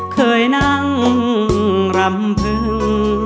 เคยนั่งรำเทิง